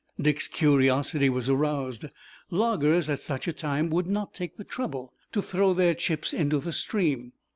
Dick's curiosity was aroused. Loggers at such a time would not take the trouble to throw their chips into the stream.